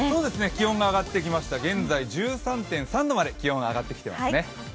気温が上がってきました、現在１３．３度まで気温が上がってきていますね。